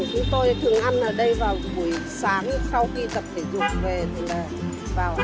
chúng tôi thường ăn ở đây vào buổi sáng sau khi tập thể dục về thì là vào ăn xong rồi về nhà